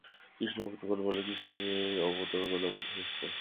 কৃষ্ণভক্তগণ বলেন, কৃষ্ণই অবতারগণের মধ্যে শ্রেষ্ঠ।